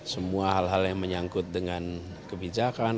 semua hal hal yang menyangkut dengan kebijakan